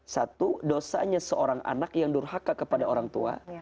satu dosanya seorang anak yang durhaka kepada orang tua